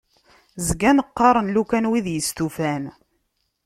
Zgan qqaṛen "lukan", wid istufan.